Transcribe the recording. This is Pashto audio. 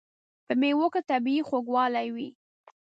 په مېوو کې طبیعي خوږوالی وي.